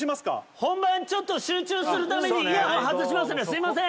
本番、ちょっと集中するために、イヤホン外しますね、すみません。